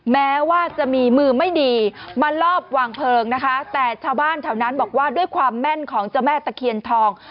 แม้ว่าจะมีมือไม่ดีมาลอบวางเพลิงนะคะแต่ชาวบ้านแถวนั้นบอกว่าด้วยความแม่นของเจ้าแม่ตะเคียนทอง